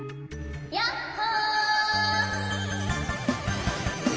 ・やっほ！